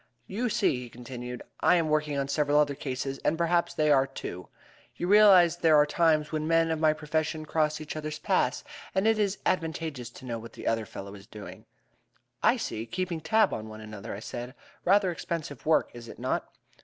You see," he continued, "I am working on several other cases, and perhaps they are, too. You realize there are times when men of my profession cross each other's paths, and it is advantageous to know what the other fellow is doing." "I see. Keeping tab on one another!" I said. "Rather expensive work, is it not?"